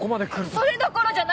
それどころじゃない！